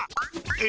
え？